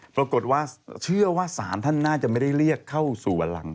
ปรากฏว่าเชื่อว่าศาลท่านน่าจะไม่ได้เรียกเข้าสู่วันหลัง